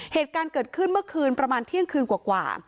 เหตุการณ์เกิดขึ้นเมื่อคืนประมาณเที่ยงคืนกว่า